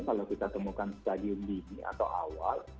kalau kita temukan stadium ini atau awal